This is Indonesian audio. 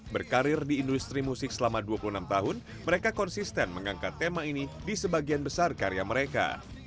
berkarir di industri musik selama dua puluh enam tahun mereka konsisten mengangkat tema ini di sebagian besar karya mereka